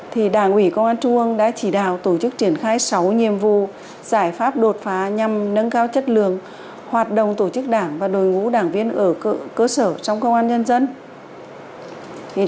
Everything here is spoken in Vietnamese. thì đảng ủy công an trung ương đã chỉ đạo tổ chức triển khai sáu nhiệm vụ giải pháp đột phá nhằm nâng cao chất lượng hoạt động tổ chức đảng và đội ngũ đảng viên ở cơ sở trong công an nhân dân